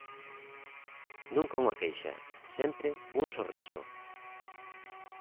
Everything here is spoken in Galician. Nunca unha queixa, sempre un sorriso.